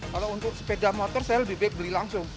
kalau untuk sepeda motor saya lebih baik beli langsung